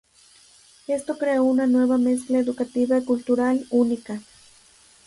Esto creó una nueva mezcla educativa y cultural única.